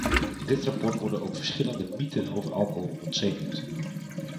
In dit rapport worden ook verschillende mythen over alcohol ontzenuwd.